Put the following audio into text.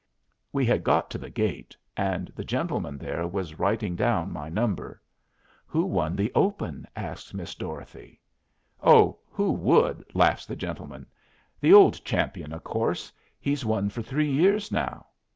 We had got to the gate, and the gentleman there was writing down my number. "Who won the open?" asks Miss Dorothy. "Oh, who would?" laughs the gentleman. "The old champion, of course. He's won for three years now.